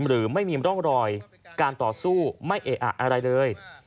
หรือไม่มีร่องรอยการต่อสู้ไม่เอะอะอะไรเลย